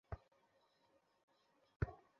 দেখো, আমার সাথে কে এসেছেন।